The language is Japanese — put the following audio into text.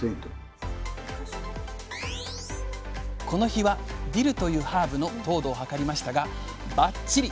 この日はディルというハーブの糖度を測りましたがバッチリ！